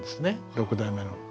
六代目の。